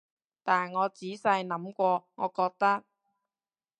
但我仔細諗過，我覺得